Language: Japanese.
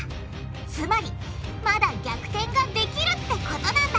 つまりまだ逆転ができるってことなんだ！